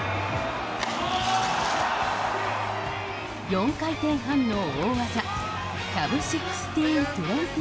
４回転半の大技キャブ１６２０